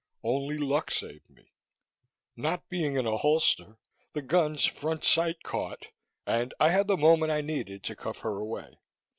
Only luck saved me. Not being in a holster, the gun's front sight caught and I had the moment I needed to cuff her away.